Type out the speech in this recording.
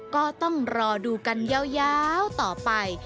ก็ต้องรอดูกันยาวต่อไป